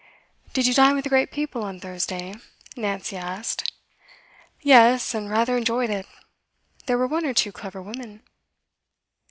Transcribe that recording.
'Did you dine with the great people on Thursday?' Nancy asked. 'Yes, and rather enjoyed it. There were one or two clever women.